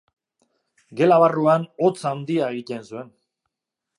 Gela barruan hotz handia egiten zuen.